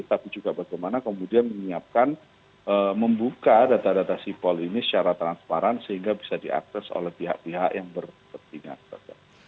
tapi juga bagaimana kemudian menyiapkan membuka data data sipol ini secara transparan sehingga bisa diakses oleh pihak pihak yang berkepentingan